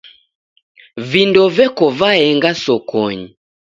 Vindo veko vaenga sokonyi.